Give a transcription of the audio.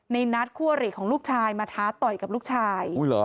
ในนัดคู่อริของลูกชายมาท้าต่อยกับลูกชาย